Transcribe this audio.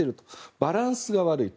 バランスが悪いと。